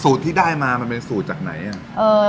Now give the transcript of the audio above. ที่ได้มามันเป็นสูตรจากไหนอ่ะ